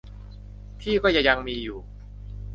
ที่ก็จะยังมีอยู่